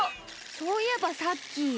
そういえばさっき。